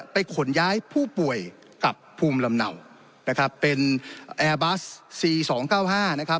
ไปขนย้ายผู้ป่วยกับภูมิลำนาวเป็นแอร์บัสสี่สองเก้าห้า